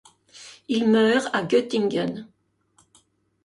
Il meurt à Göttingen.